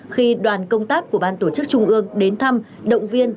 khi đoàn công tác của ban tổ chức trung ương đến thăm động viên